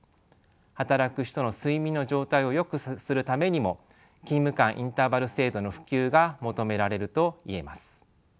働く人の睡眠の状態をよくするためにも勤務間インターバル制度の普及が求められると言えます。